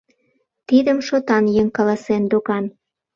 Тидым шотан еҥ каласен докан.